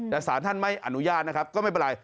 แต่สารท่านไม่อนุญาตนะครับก็ไม่เป็นไร